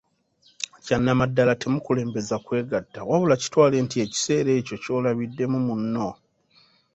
Kyanamaddala temukulembeza kwegatta, wabula kitwale nti ekiseera ekyo ky'olabiddemu munno.